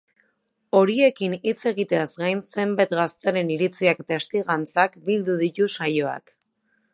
Horiekin hitz egiteaz gain, zenbait gazteren iritziak eta testigantzak bildu ditu saioak.